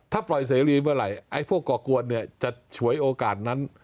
ถ้าปล่อยเสรีเมื่อไหร่ไอ้พวกก่อกวนเนี่ยจะฉวยโอกาสนั้น